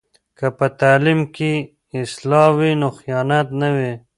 که په تعلیم کې اصلاح وي نو خیانت نه وي.